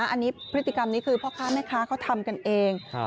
อันนี้พฤติกรรมนี้คือพ่อค้าแม่ค้าเขาทำกันเอง